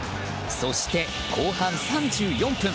そして、後半３４分。